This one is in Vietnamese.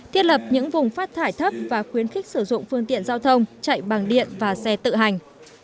thiết lập những vùng phát thải thấp và khuyến khích sử dụng phương tiện giao thông chạy bằng điện và xe tự hành